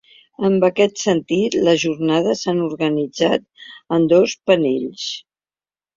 En aquest sentit, les jornades s’han organitzat en dos panells.